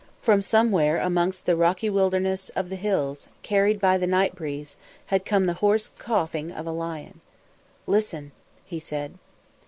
From somewhere amongst the rocky wilderness of the hills, carried by the night breeze, had come the hoarse coughing of a lion. "Listen," he said.